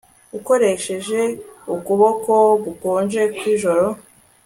Ukoresheje ukuboko gukonje kwijoro